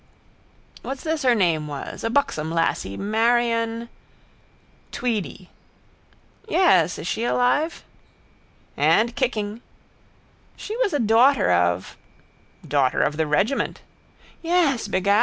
—What's this her name was? A buxom lassy. Marion... —Tweedy. —Yes. Is she alive? —And kicking. —She was a daughter of... —Daughter of the regiment. —Yes, begad.